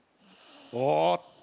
おっと！